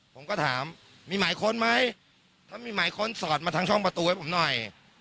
ผมก็ถามมีหมายค้นไหมถ้ามีหมายค้นสอดมาทางช่องประตูให้ผมหน่อย